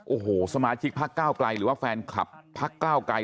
โอ้โหสมาชิกพักก้าวไกลหรือว่าแฟนคลับพักก้าวไกล